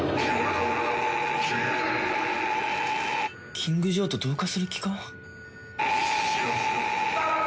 キングジョーと同化する気か！？